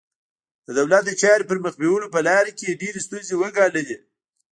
د دولت د چارو پر مخ بیولو په لاره کې یې ډېرې ستونزې وګاللې.